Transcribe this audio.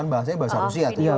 kan bahasanya bahasa rusia tuh